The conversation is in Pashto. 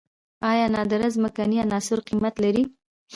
آیا نادره ځمکنۍ عناصر قیمت لري؟